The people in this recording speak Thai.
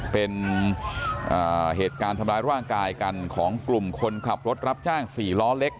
เป็นเหตุการณ์ทำร้ายร่างกายกันของกลุ่มคนขับรถรับจ้าง๔ล้อเล็ก